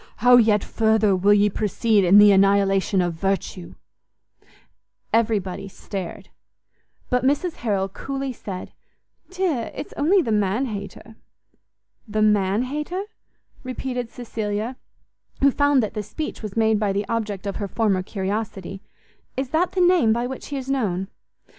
How yet further will ye proceed in the annihilation of virtue!" Everybody stared; but Mrs Harrel coolly said, "Dear, it's only the man hater!" "The man hater?" repeated Cecilia, who found that the speech was made by the object of her former curiosity; "is that the name by which he is known?"